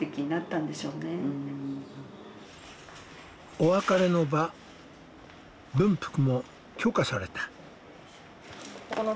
お別れの場文福も許可された。